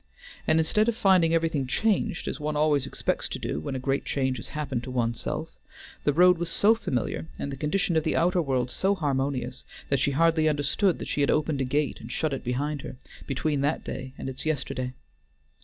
And instead of finding everything changed, as one always expects to do when a great change has happened to one's self, the road was so familiar, and the condition of the outer world so harmonious, that she hardly understood that she had opened a gate and shut it behind her, between that day and its yesterday.